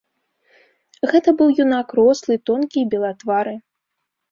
Гэта быў юнак рослы, тонкі і белатвары.